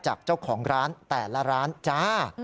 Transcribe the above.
จากเจ้าของร้านแต่ละร้านจ้า